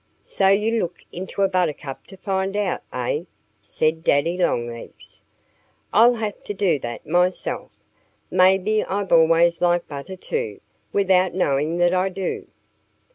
"So you looked into a buttercup to find out, eh?" said Daddy Longlegs. "I'll have to do that, myself. Maybe I've always liked butter, too, without knowing that I do."